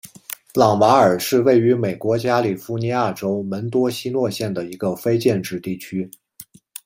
朗瓦尔是位于美国加利福尼亚州门多西诺县的一个非建制地区。